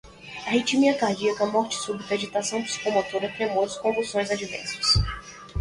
arritmia cardíaca, morte súbita, agitação psicomotora, tremores, convulsões, adversos